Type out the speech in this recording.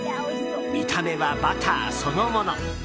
見た目はバターそのもの！